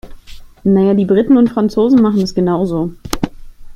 Na ja, die Briten und Franzosen machen es genau so.